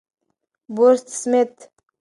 بوسورت سمیت :